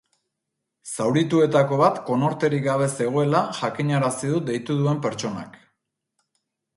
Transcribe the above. Zaurituetako bat konorterik gabe zegoela jakinarazi du deitu duen pertsonak.